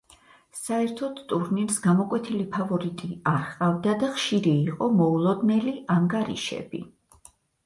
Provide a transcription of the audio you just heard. საერთოდ ტურნირს გამოკვეთილი ფავორიტი არ ჰყავდა და ხშირი იყო მოულოდნელი ანგარიშები.